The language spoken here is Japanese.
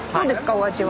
お味は。